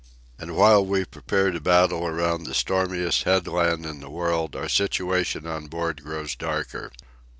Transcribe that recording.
And while we prepare to battle around the stormiest headland in the world our situation on board grows darker.